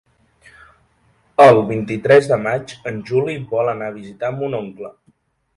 El vint-i-tres de maig en Juli vol anar a visitar mon oncle.